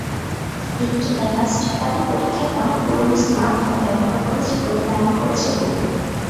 এদিকে অ্যাভাস্ট তাদের পরীক্ষায় অনেক পুরোনো স্মার্টফোন ব্যবহার করেছে বলে দাবি করেছে গুগল।